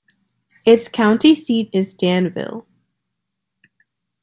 Its county seat is Danville.